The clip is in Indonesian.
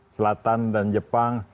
selatan dan jepang